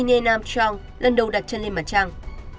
nenam chang lần đầu đặt chân lên mặt trăng